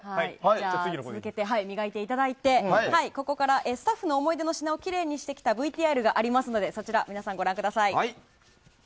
続いて磨いていただいてスタッフの思い出の品を磨いてきたＶＴＲがありますのでそちら、皆さんご覧ください。